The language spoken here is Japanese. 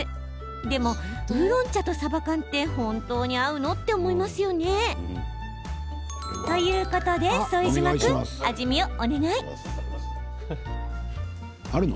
でも、ウーロン茶とさば缶って本当に合うの？ということで副島君味見をお願い。